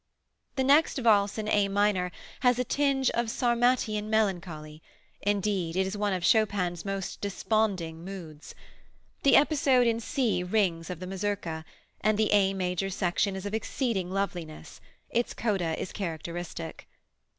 The next Valse in A minor has a tinge of Sarmatian melancholy, indeed, it is one of Chopin's most desponding moods. The episode in C rings of the mazurka, and the A major section is of exceeding loveliness; Its coda is characteristic.